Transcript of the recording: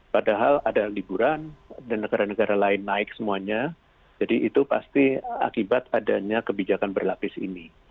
padahal ada liburan dan negara negara lain naik semuanya jadi itu pasti akibat adanya kebijakan berlapis ini